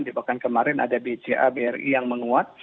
di pekan kemarin ada bca bri yang menguat